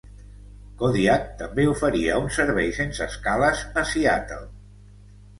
Kodiak també oferia un servei sense escales a Seattle.